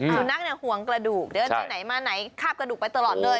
สุนัขห่วงกระดูกเดินไปไหนมาไหนคาบกระดูกไปตลอดเลย